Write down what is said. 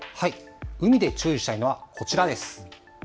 海で注意したいのは、こちらです。